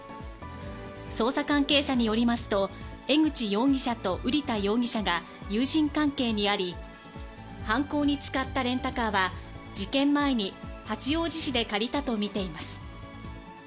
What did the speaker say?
捜査関係者によりますと、江口容疑者と瓜田容疑者が友人関係にあり、犯行に使ったレンタカーは、事件前に八王子市で借りたと見ています。